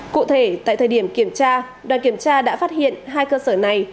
cụ thể tại thời điểm kiểm tra đoàn kiểm tra đã phát hiện hai cơ sở này